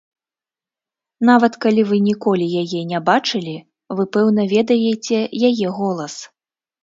Нават калі вы ніколі яе не бачылі, вы пэўна ведаеце яе голас.